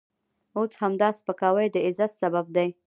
اوس همدا سپکاوی د عزت سبب دی.